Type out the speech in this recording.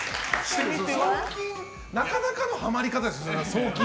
送金、なかなかのハマり方ですよ。